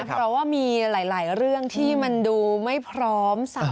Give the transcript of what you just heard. เพราะว่ามีหลายเรื่องที่มันดูไม่พร้อม